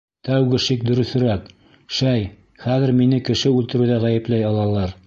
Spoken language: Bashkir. Тәүге шик дөрөҫөрәк, шәй... хәҙер мине кеше үлтереүҙә ғәйепләй алалар.